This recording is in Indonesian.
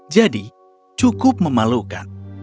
jadi cukup memalukan